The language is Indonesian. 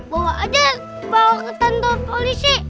bawa aja bawa ke kantor polisi